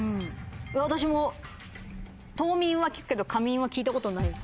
私も冬眠は聞くけど夏眠は聞いたことない。